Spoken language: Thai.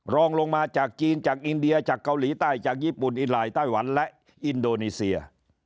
รองลงมาจากจีนจากอินเดียจากเกาหลีใต้จากญี่ปุ่นอินลายไต้หวันและอินโดนีเซีย